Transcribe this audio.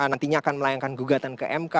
apakah mereka akan melayangkan gugatan ke mk